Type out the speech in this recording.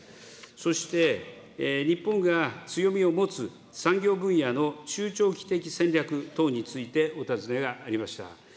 そして、日本が強みを持つ産業分野の中長期的戦略等についてお尋ねがありました。